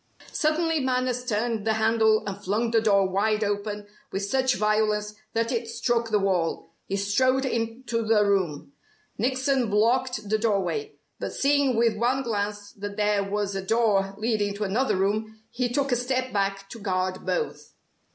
Suddenly Manners turned the handle and flung the door wide open with such violence that it struck the wall. He strode into the room. Nickson blocked the doorway, but seeing with one glance that there was a door leading to another room, he took a step back to guard both.